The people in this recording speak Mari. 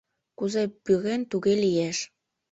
Кузе пӱрен, туге лиеш...